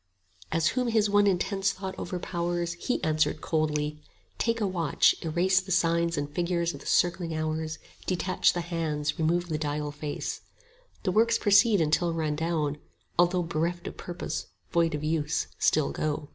30 As whom his one intense thought overpowers, He answered coldly, Take a watch, erase The signs and figures of the circling hours, Detach the hands, remove the dial face; The works proceed until run down; although 35 Bereft of purpose, void of use, still go.